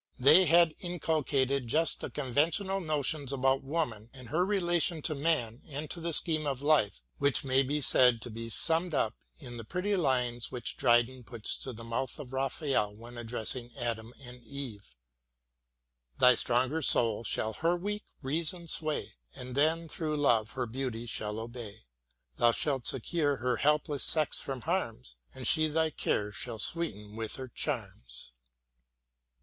They had inculcated just the conventional notions about woman and her relation to man and to the scheme of life, which may be said to be summed up in the pretty lines which Dryden puts into the mouth of Raphael when addressing Adam about Eve : Thy stronger soul shall her weak Reason sway, And then, through love, her beauty shall obey : Thou shalt secure her helpless sex from harms. And she thy cares shall sweeten with her charms.